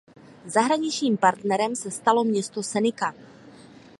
Zahraničním partnerem se stalo město Senica.